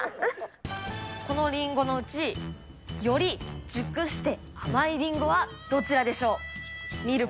このりんごのうち、より熟して甘いりんごはどちらでしょう。